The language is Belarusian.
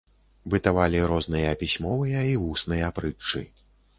Бытавалі розныя пісьмовыя і вусныя прытчы.